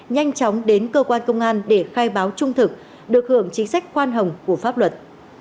nhanh chóng đến cơ quan công an để khai báo trung thực được hưởng chính sách khoan hồng của pháp luật